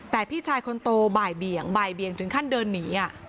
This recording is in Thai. แต่พี่ชายคนโตบ่ายเบี่ยงบ่ายเบียงถึงขั้นเดินหนี